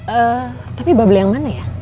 eh tapi bubble yang mana ya